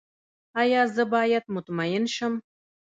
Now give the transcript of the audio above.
ایا زه باید مطمئن شم؟